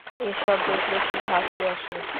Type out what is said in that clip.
এসব দেখলে খুব হাসি আসে।